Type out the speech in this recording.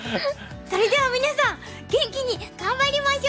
それでは皆さん元気に頑張りましょう！